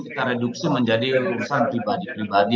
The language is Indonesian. kita reduksi menjadi urusan pribadi pribadi